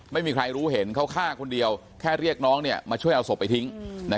ไม่มีใครรู้เห็นเขาฆ่าคนเดียวแค่เรียกน้องมาช่วยเอาศพไปทิ้ง